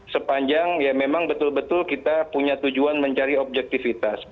sepanjang ya memang betul betul kita punya tujuan mencari objektivitas